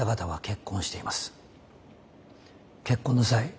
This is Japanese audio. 結婚の際